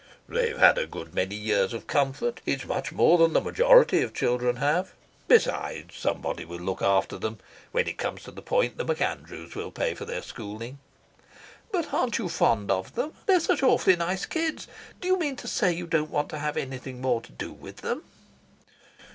"They've had a good many years of comfort. It's much more than the majority of children have. Besides, somebody will look after them. When it comes to the point, the MacAndrews will pay for their schooling." "But aren't you fond of them? They're such awfully nice kids. Do you mean to say you don't want to have anything more to do with them?"